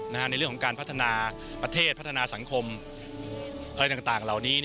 ในเรื่องของการพัฒนาประเทศพัฒนาสังคมอะไรต่างเหล่านี้